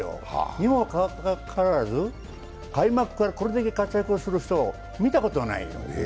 日本は変わらず開幕からこれだけ活躍する人を見たことがないよ。